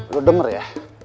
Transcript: lo denger ya